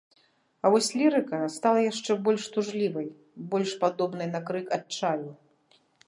А вось лірыка стала яшчэ больш тужлівай, больш падобнай на крык адчаю.